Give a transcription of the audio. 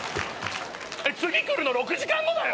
次来るの６時間後だよ！？